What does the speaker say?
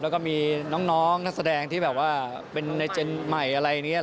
แล้วก็มีน้องนักแสดงที่แบบว่าเป็นในเจนใหม่อะไรอย่างนี้